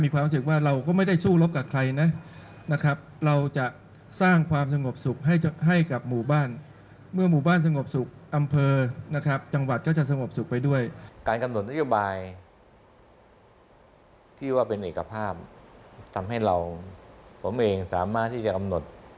การกำหนดนโยบายที่ว่าเป็นเอกภาพทำให้เราผมเองสามารถที่จะกำหนด